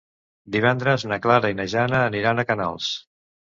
Divendres na Clara i na Jana aniran a Canals.